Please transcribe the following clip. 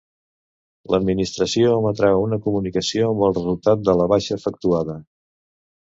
L'Administració emetrà una comunicació amb el resultat de la baixa efectuada.